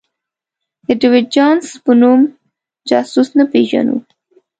د ډېویډ جونز په نوم جاسوس نه پېژنو.